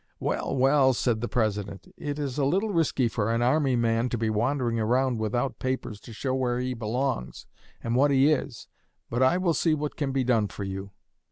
'Well, well,' said the President, 'it is a little risky for an army man to be wandering around without papers to show where he belongs and what he is, but I will see what can be done for you.'